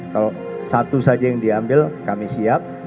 kalau satu saja yang diambil kami siap